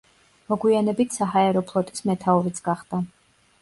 მოგვიანებით საჰაერო ფლოტის მეთაურიც გახდა.